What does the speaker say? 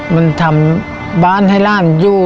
มันทำบ้านให้ร่ามอยู่